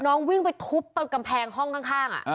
น้องวิ่งไปทุบแบบกำแพงห้องข้างอ่ะอ่า